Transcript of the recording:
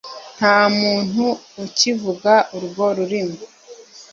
Nta muntu ukivuga urwo rurimi